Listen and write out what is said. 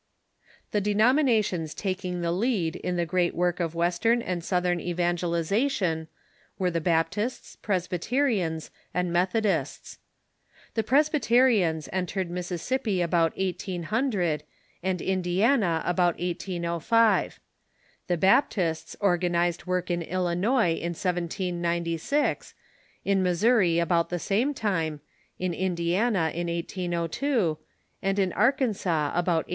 The denominations taking the lead in the great work of Western and Southern evangelization were the Baptists, Pres byterians, and Methodists. The Presbyterians entered Mis sissippi about 1800, and Indiana about 1805. The Baptists or ganized Avork in Illinois in 170G, in Missouri about the same time, in Indiana in 1802, and in Arkansas about 1818.